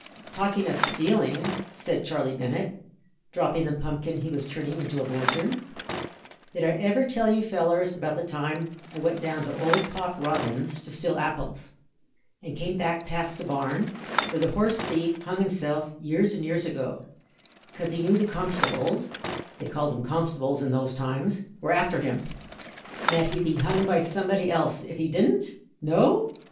"Talking of stealing," said Charley Bennet, dropping the pumpkin he was turning into a lantern, "did I ever tell you fellers about the time I went down to old Pop Robins's to steal apples, and came back past the barn where the horse thief hung himself years and years ago, 'cause he knew the constables they called 'em constables in those times were after him, and that he'd be hung by somebody else if he didn't? No?